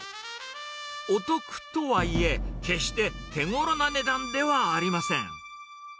お得とはいえ、決して手ごろな値段ではありません。